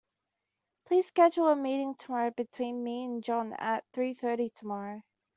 Please schedule a meeting between me and John at three thirty tomorrow.